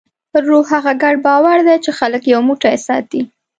روح هغه ګډ باور دی، چې خلک یو موټی ساتي.